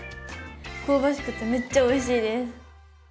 香ばしくてめっちゃおいしいです。